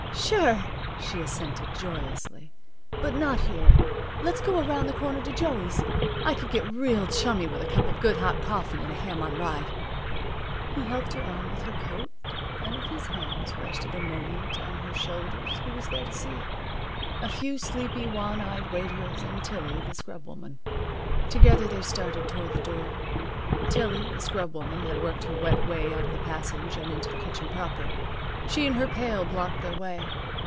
"Sure," she assented, joyously, "but not here. Let's go around the corner to Joey's. I could get real chummy with a cup of good hot coffee and a ham on rye." He helped her on with her coat, and if his hands rested a moment on her shoulders who was there to see it? A few sleepy, wan eyed waiters and Tillie, the scrub woman. Together they started toward the door. Tillie, the scrubwoman, had worked her wet way out of the passage and into the kitchen proper. She and her pail blocked their way.